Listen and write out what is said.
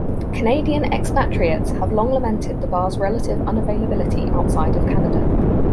Canadian expatriates have long lamented the bar's relative unavailability outside of Canada.